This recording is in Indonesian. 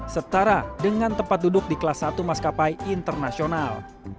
setara dengan tempat duduk di kelas satu maskapai internasional